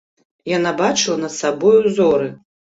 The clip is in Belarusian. Яна бачыла над сабою зоры.